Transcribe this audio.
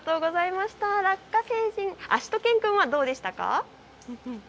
しゅと犬くんは、どうでしたか。